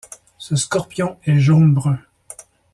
Ce scorpion est jaune-brun.